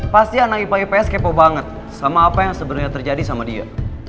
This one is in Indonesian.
pasti anak ipa ips kepo banget sama apa yang sebenarnya terjadi sama dia